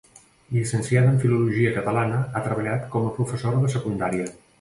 Llicenciada en filologia catalana, ha treballat com a professora de secundària.